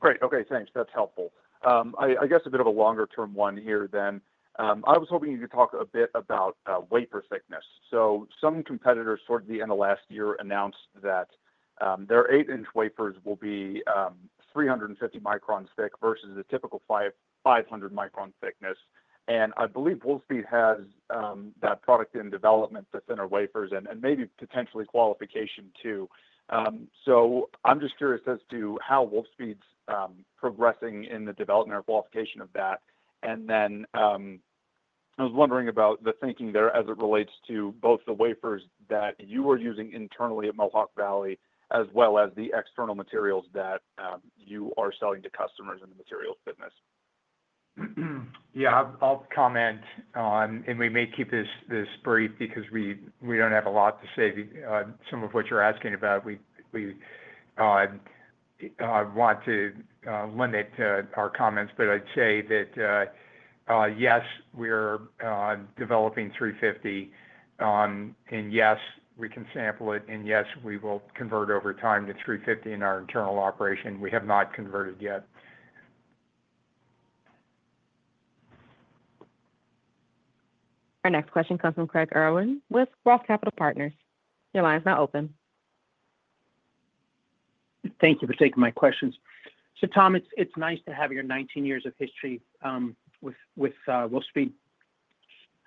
Great. Okay. Thanks. That's helpful. I guess a bit of a longer-term one here then. I was hoping you could talk a bit about wafer thickness. So some competitors towards the end of last year announced that their 8-inch wafers will be 350 µm thick versus the typical 500 µm thickness. And I believe Wolfspeed has that product in development to thinner wafers and maybe potentially qualification too. So I'm just curious as to how Wolfspeed's progressing in the development or qualification of that. And then I was wondering about the thinking there as it relates to both the wafers that you are using internally at Mohawk Valley as well as the external materials that you are selling to customers in the materials business. Yeah. I'll comment on, and we may keep this brief because we don't have a lot to say. Some of what you're asking about, we want to limit our comments. But I'd say that, yes, we're developing 350 µm. And yes, we can sample it. And yes, we will convert over time to 350 µm in our internal operation. We have not converted yet. Our next question comes from Craig Irwin with Roth Capital Partners. Your line is now open. Thank you for taking my questions. So Tom, it's nice to have your 19 years of history with Wolfspeed.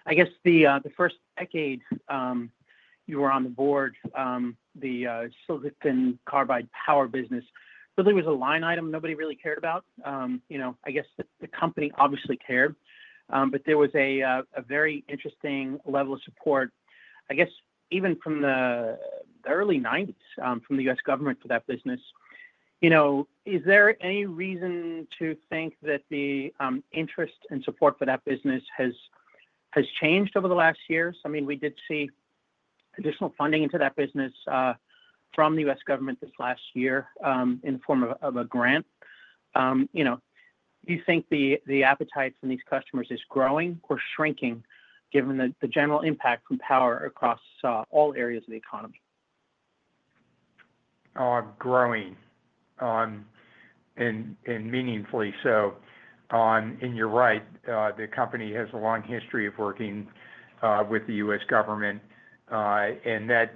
I guess the first decade you were on the board, the silicon carbide power business really was a line item nobody really cared about. I guess the company obviously cared, but there was a very interesting level of support, I guess, even from the early 1990s from the U.S. government for that business. Is there any reason to think that the interest and support for that business has changed over the last years? I mean, we did see additional funding into that business from the U.S. government this last year in the form of a grant. Do you think the appetite from these customers is growing or shrinking given the general impact from power across all areas of the economy? Growing and meaningfully. So you're right. The company has a long history of working with the U.S. government, and that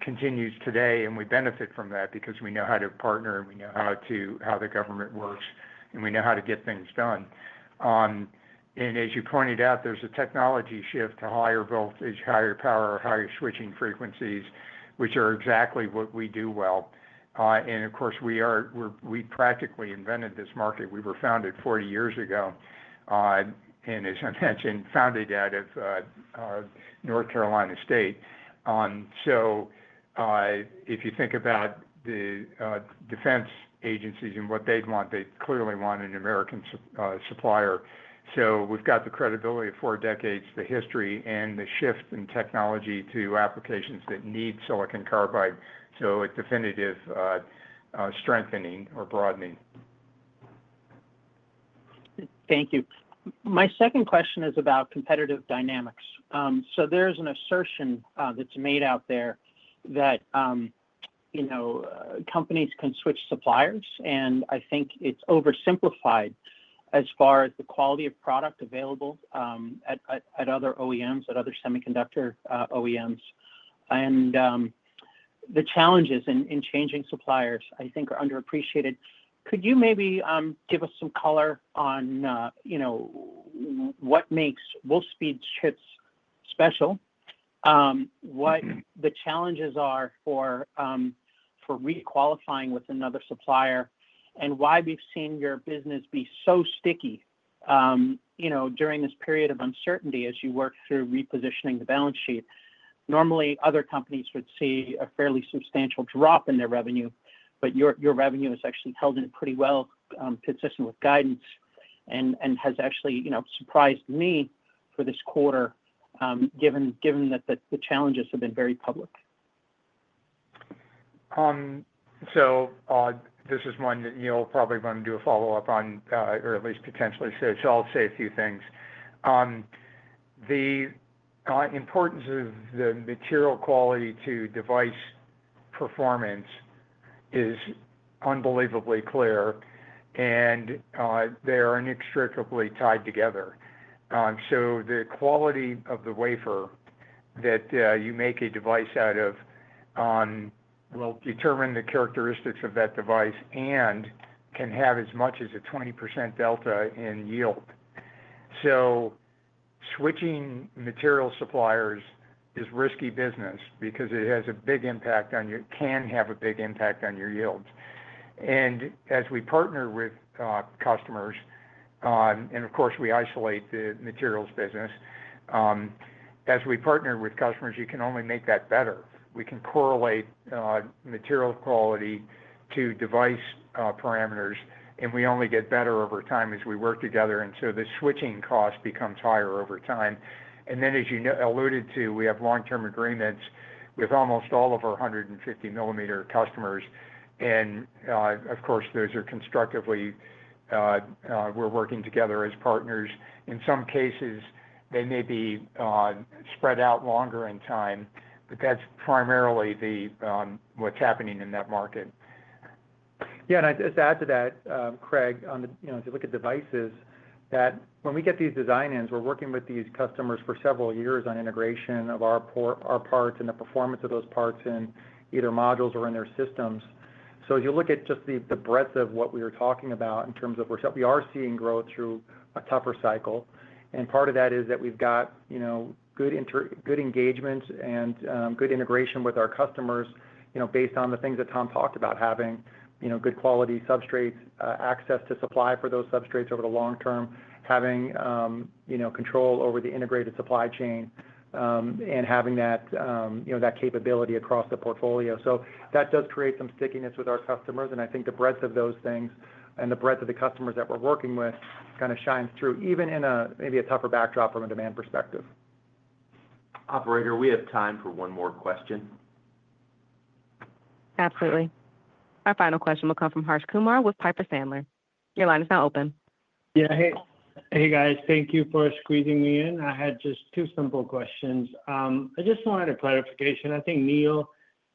continues today. We benefit from that because we know how to partner, and we know how the government works, and we know how to get things done. As you pointed out, there's a technology shift to higher voltage, higher power, higher switching frequencies, which are exactly what we do well. Of course, we practically invented this market. We were founded 40 years ago. As I mentioned, founded out of North Carolina State. If you think about the defense agencies and what they'd want, they clearly want an American supplier. We've got the credibility of four decades, the history, and the shift in technology to applications that need silicon carbide. So a definitive strengthening or broadening. Thank you. My second question is about competitive dynamics. There's an assertion that's made out there that companies can switch suppliers. I think it's oversimplified as far as the quality of product available at other OEMs, at other semiconductor OEMs. The challenges in changing suppliers, I think, are underappreciated. Could you maybe give us some color on what makes Wolfspeed chips special, what the challenges are for requalifying with another supplier, and why we've seen your business be so sticky during this period of uncertainty as you work through repositioning the balance sheet? Normally, other companies would see a fairly substantial drop in their revenue, but your revenue has actually held in pretty well, consistent with guidance, and has actually surprised me for this quarter, given that the challenges have been very public. This is one that Neill will probably want to do a follow-up on, or at least potentially say. I'll say a few things. The importance of the material quality to device performance is unbelievably clear, and they are inextricably tied together. The quality of the wafer that you make a device out of will determine the characteristics of that device and can have as much as a 20% delta in yield. Switching material suppliers is risky business because it has a big impact on your yield. As we partner with customers, and of course, we isolate the materials business, you can only make that better. We can correlate material quality to device parameters, and we only get better over time as we work together. The switching cost becomes higher over time. Then, as you alluded to, we have long-term agreements with almost all of our 150 mm customers. Of course, those are, constructively, we're working together as partners. In some cases, they may be spread out longer in time, but that's primarily what's happening in that market. Yeah. And I'd just add to that, Craig. On the, if you look at devices, that when we get these design-ins, we're working with these customers for several years on integration of our parts and the performance of those parts in either modules or in their systems. So as you look at just the breadth of what we were talking about in terms of we are seeing growth through a tougher cycle. And part of that is that we've got good engagement and good integration with our customers based on the things that Tom talked about, having good quality substrates, access to supply for those substrates over the long term, having control over the integrated supply chain, and having that capability across the portfolio. So that does create some stickiness with our customers. And I think the breadth of those things and the breadth of the customers that we're working with kind of shines through, even in a maybe tougher backdrop from a demand perspective. Operator, we have time for one more question. Absolutely. Our final question will come from Harsh Kumar with Piper Sandler. Your line is now open. Yeah. Hey, guys. Thank you for squeezing me in. I had just two simple questions. I just wanted a clarification. I think Neill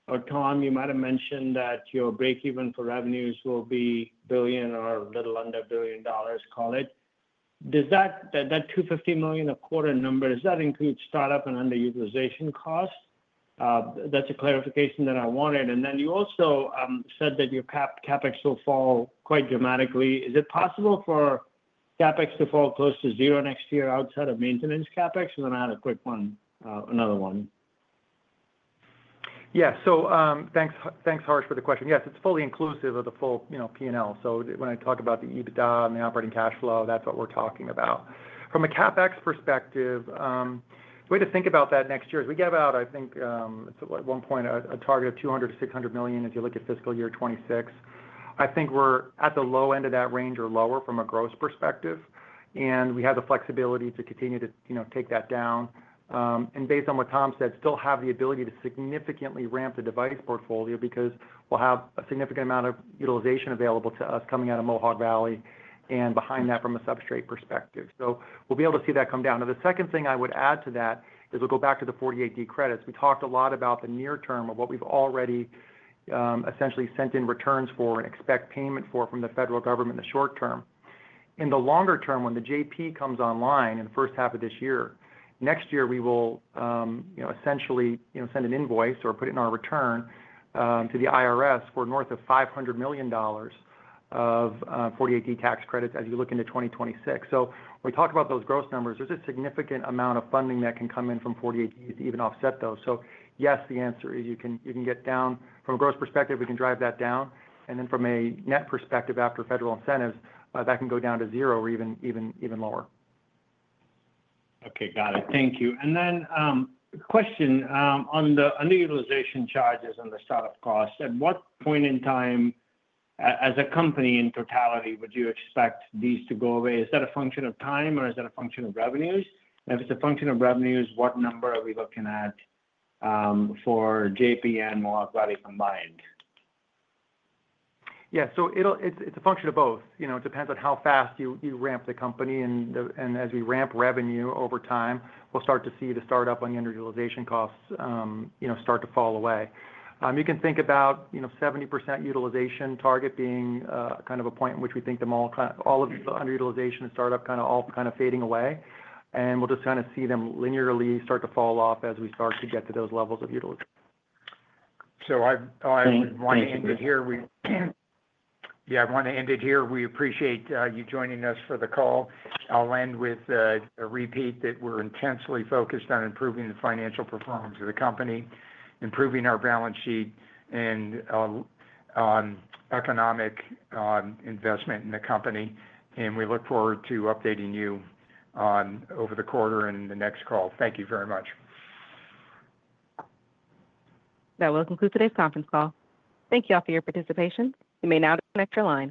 or Tom, you might have mentioned that your break-even for revenues will be $1 billion or a little under $1 billion, call it. That $250 million a quarter number, does that include startup and underutilization costs? That's a clarification that I wanted. And then you also said that your CapEx will fall quite dramatically. Is it possible for CapEx to fall close to zero next year outside of maintenance CapEx? And then I had a quick one, another one. Yeah. So thanks, Harsh, for the question. Yes, it's fully inclusive of the full P&L. So when I talk about the EBITDA and the operating cash flow, that's what we're talking about. From a CapEx perspective, the way to think about that next year is we gave out, I think at one point, a target of $200 million-$600 million as you look at fiscal year 2026. I think we're at the low end of that range or lower from a gross perspective. And we have the flexibility to continue to take that down. And based on what Tom said, still have the ability to significantly ramp the device portfolio because we'll have a significant amount of utilization available to us coming out of Mohawk Valley and behind that from a substrate perspective. So we'll be able to see that come down. Now, the second thing I would add to that is we'll go back to the 48D credits. We talked a lot about the near term of what we've already essentially sent in returns for and expect payment for from the federal government in the short term. In the longer term, when the JP comes online in the first half of this year, next year, we will essentially send an invoice or put it in our return to the IRS for north of $500 million of 48D tax credits as you look into 2026. So when we talk about those gross numbers, there's a significant amount of funding that can come in from 48D to even offset those. So yes, the answer is you can get down from a gross perspective, we can drive that down. And then from a net perspective after federal incentives, that can go down to zero or even lower. Okay. Got it. Thank you. And then question on the underutilization charges and the startup costs. At what point in time as a company in totality, would you expect these to go away? Is that a function of time, or is that a function of revenues? And if it's a function of revenues, what number are we looking at for JP and Mohawk Valley combined? Yeah. So it's a function of both. It depends on how fast you ramp the company. And as we ramp revenue over time, we'll start to see the startup and underutilization costs start to fall away. You can think about 70% utilization target being kind of a point in which we think all of the underutilization and startup kind of all fading away. And we'll just kind of see them linearly start to fall off as we start to get to those levels of utilization. So I want to end it here. Yeah. I want to end it here. We appreciate you joining us for the call. I'll end with a repeat that we're intensely focused on improving the financial performance of the company, improving our balance sheet, and economic investment in the company. And we look forward to updating you over the quarter and the next call. Thank you very much. That will conclude today's conference call. Thank you all for your participation. You may now disconnect your line.